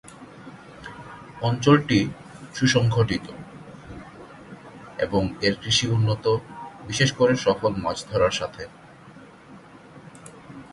অঞ্চলটি সুসংগঠিত এবং এর কৃষি উন্নত, বিশেষ করে সফল মাছ ধরার সাথে।